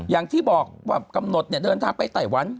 อย่างที่บอกว่ากำหนดเดินทางไปไต้หวัน